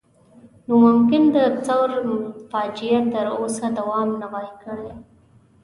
نو ممکن د ثور فاجعه تر اوسه دوام نه وای کړی.